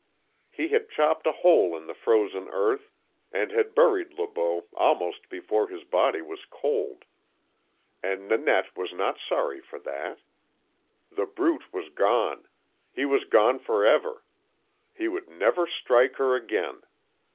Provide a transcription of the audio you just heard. He had chopped a hole in the frozen earth and had buried Le Beau almost before his body was cold. And Nanette was not sorry for that. The Brute was gone. He was gone for ever. He would never strike her again.